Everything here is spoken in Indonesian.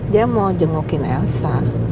dia mau jengukin elsa